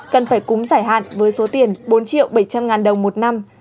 cần phải cúng giải hạn với số tiền bốn triệu bảy trăm linh ngàn đồng một năm